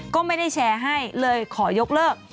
ก็ไม่ได้แชร์ให้เลยขอยกเลิก